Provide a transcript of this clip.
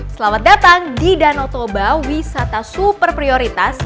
selamat datang di danau toba wisata super prioritas